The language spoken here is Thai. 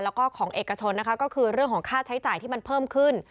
แล้วก็ของเอกชนนะคะก็คือเรื่องของค่าใช้จ่ายที่มันเพิ่มขึ้น